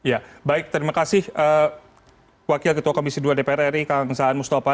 ya baik terima kasih wakil ketua komisi dua dpr ri kang saan mustafa